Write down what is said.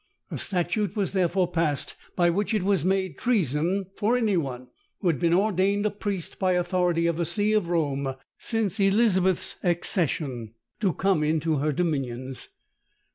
A statute was, therefore, passed, by which it was made treason for any one, who had been ordained a priest by authority of the see of Rome, since Elizabeth's accession, to come into her dominions.